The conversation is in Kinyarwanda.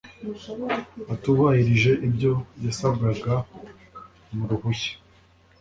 atubahirije ibyo yasabwaga mu ruhushya